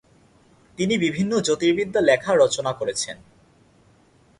তিনি বিভিন্ন জ্যোতির্বিদ্যা লেখা রচনা করেছেন।